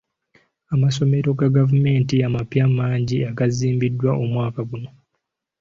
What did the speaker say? Amasomero ga gavumenti amapya mangi agazimbiddwa omwaka guno.